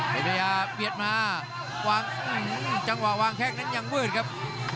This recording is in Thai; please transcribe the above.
เป็นปัญญาเปรียบมาจังหวะวางแค่งนั้นยังมืดครับ